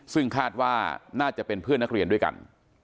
ซึ่งคาดว่าน่าจะเป็นเพื่อนนักเรียนด้วยกัน